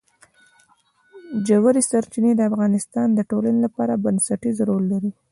ژورې سرچینې د افغانستان د ټولنې لپاره بنسټيز رول لري.